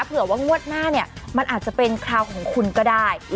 เผื่อว่างวดหน้าเนี่ยมันอาจจะเป็นคราวของคุณก็ได้